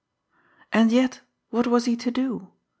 And yet what was he to do?